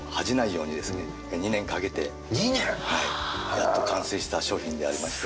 やっと完成した商品でありまして。